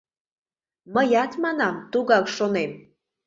Мыят, манам, тугак шонем.